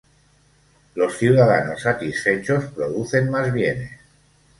Los ciudadanos satisfechos producen más bienes.